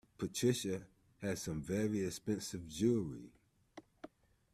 Patricia has some very expensive jewellery